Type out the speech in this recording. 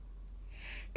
theo nhận định